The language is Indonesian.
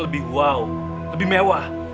lebih wow lebih mewah